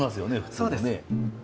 そうです。